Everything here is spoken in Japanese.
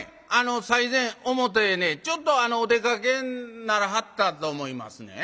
最前表へねちょっとお出かけにならはったと思いますねん。